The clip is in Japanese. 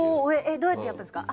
どうやってやったんですか？